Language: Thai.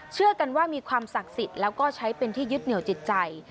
เชื่อกันว่ามีความศักดิ์สิทธิ์แล้วก็ใช้เป็นที่ยึดเหนียวจิตใจ